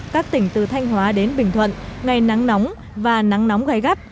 các tỉnh từ thanh hóa đến bình thuận ngày nắng nóng và nắng nóng gai gắt